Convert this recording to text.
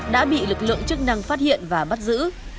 đã bị lực lượng chức năng phát hiện và bắt giữ